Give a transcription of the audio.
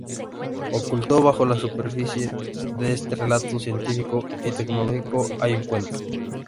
Oculto bajo la superficie de este relato científico y tecnológico hay un cuento.